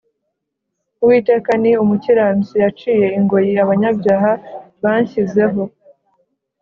Uwiteka ni umukiranutsi, yaciye ingoyi abanyabyaha banshyizeho